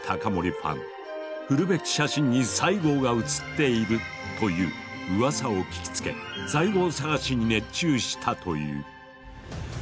フルベッキ写真に西郷が写っているといううわさを聞きつけ西郷探しに熱中したという。